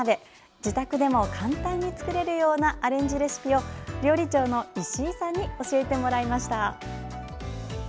自宅でも簡単に作れるようなアレンジレシピを料理長の石井さんに教えてもらいました。